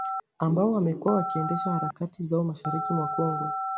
ambao wamekuwa wakiendesha harakati zao mashariki mwa Kongo